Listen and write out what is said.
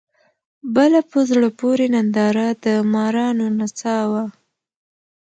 بله په زړه پورې ننداره د مارانو نڅا وه.